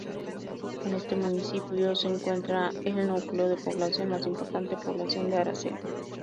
En este municipio se encuentra el núcleo de población más importante, Población de Araceli.